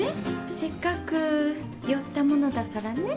せっかく寄ったものだからね。